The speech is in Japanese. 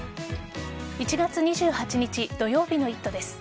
１月２８日土曜日の「イット！」です。